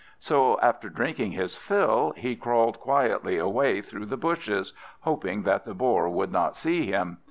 So, after drinking his fill, he crawled quietly away through the bushes, hoping that the Boar could not see him.